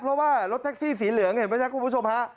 เพราะว่ารถแท็กซี่สีเหลืองเห็นไหมครับคุณผู้ชมฮะ